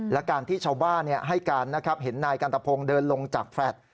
และการที่ชาวบ้านให้การเห็นนายการตะโพงเดินลงจากแฟลต